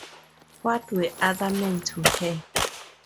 What were other men to her!